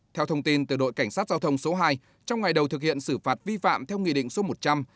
theo thông tin từ đội cảnh sát giao thông số hai trong ngày đầu thực hiện xử phạt vi phạm theo nghị định số một trăm linh